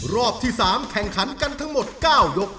รอบที่๓แข่งขันกันทั้งหมด๙ยก